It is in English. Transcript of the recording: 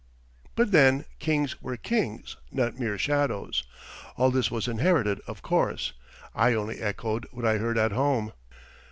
But then kings were kings, not mere shadows. All this was inherited, of course. I only echoed what I heard at home.